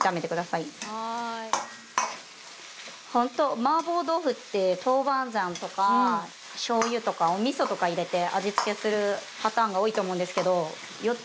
ホント麻婆豆腐って豆板醤とかしょう油とかお味噌とか入れて味付けするパターンが多いと思うんですけどよっ